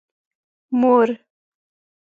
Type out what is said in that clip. مور